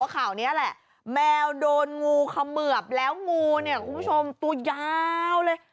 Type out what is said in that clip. ข่าวนี้แหละแมวโดนงูเขมือบแล้วงูเนี่ยคุณผู้ชมตัวยาวเลย